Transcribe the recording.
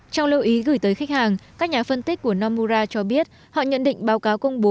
trong lưu ý gửi tới khách hàng các nhà phân tích của nomura cho biết họ nhận định báo cáo công bố